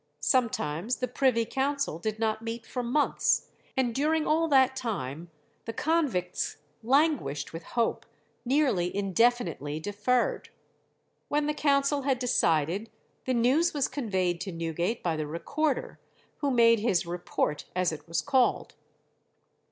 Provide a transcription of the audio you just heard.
Sometimes the Privy Council did not meet for months, and during all that time the convicts languished with hope nearly indefinitely deferred. When the council had decided, the news was conveyed to Newgate by the Recorder, who made his "report," as it was called.